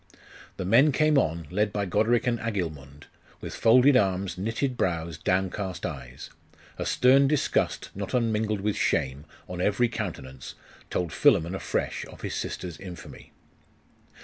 The men came on, led by Goderic and Agilmund, with folded arms, knitted brows, downcast eyes: a stern disgust, not unmingled with shame, on every countenance, told Philammon afresh of his sister's infamy.